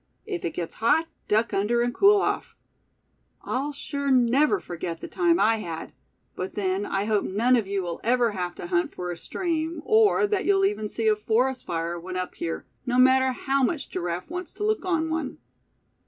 If it gets hot, duck under, and cool off. I'll sure never forget the time I had; but then I hope none of you will ever have to hunt for a stream, or that you'll even see a forest fire when up here, no matter how much Giraffe wants to look on one."